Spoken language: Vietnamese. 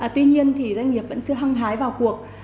tuy nhiên doanh nghiệp vẫn chưa hăng hái vào cuộc